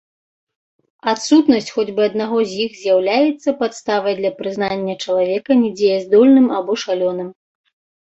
Адсутнасць хоць бы аднаго з іх з'яўляецца падставай для прызнання чалавека недзеяздольным або шалёным.